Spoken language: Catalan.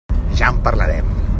Ja en parlarem.